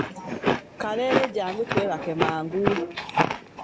Kaleere jjangu twebake mangu.